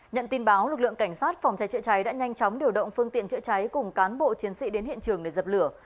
nhận tin báo lực lượng cảnh sát phòng cháy chữa cháy đã nhanh chóng điều động phương tiện chữa cháy cùng cán bộ chiến sĩ đến hiện trường để dập lửa